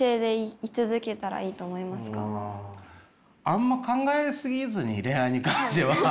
あんま考え過ぎずに恋愛に関しては。